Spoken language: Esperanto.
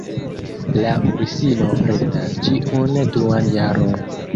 La ursino bredas ĉiun duan jaron.